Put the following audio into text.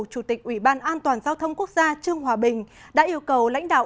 chủ tịch ủy ban an toàn giao thông quốc gia trương hòa bình đã yêu cầu lãnh đạo